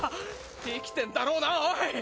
生きてんだろうなおい！